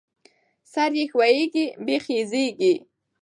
ـ سر يې ښويکى، بېخ يې زيږکى.